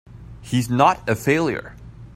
He's not a failure!